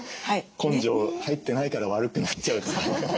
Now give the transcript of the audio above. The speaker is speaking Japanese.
根性入ってないから悪くなっちゃうとか。